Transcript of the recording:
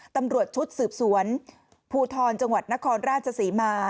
ตำรวจชุดสืบสวนภูทรจังหวัดนครราชศรีมา